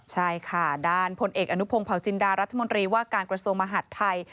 ใช่ค่ะด้านพลเอกอนุพงศ์เผาจินดารัฐมนตรีว่าการกระทรวงมหัฐไทย